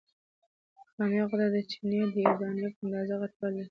نخامیه غده د چڼې د یوې دانې په اندازه غټوالی لري.